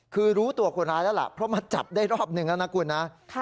คือรู้ตัวคนร้ายแล้วล่ะเพราะมาจับได้รอบหนึ่งแล้วนะคุณนะ